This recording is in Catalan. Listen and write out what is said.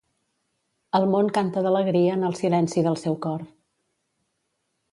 El món canta d'alegria en el silenci del seu cor.